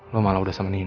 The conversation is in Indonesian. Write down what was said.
lo malah udah sama nino